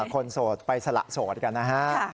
โสดไปสละโสดกันนะฮะ